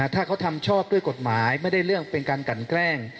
ถ้าเขาทำชอบด้วยกฎหมายไม่ได้เรื่องเป็นการกันแกล้ง